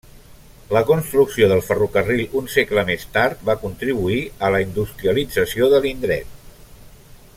La construcció del ferrocarril un segle més tard va contribuir a la industrialització de l'indret.